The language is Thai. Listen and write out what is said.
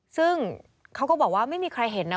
ซึ่งเขาก็บอกว่าไม่มีใครเห็นนะ